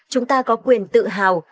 chúng ta có quyền tự hào